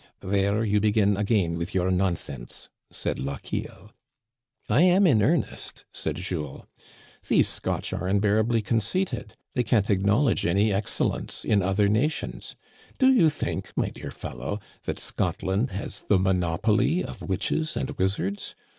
*' There you begin again with your nonsense," said Lochiel. " I am in earnest," said Jules. " These Scotch are unbearably conceited. They can't acknowledge any excellence in other nations. Do you think, my dear fellow, that Scotland has the monopoly of witches and wizards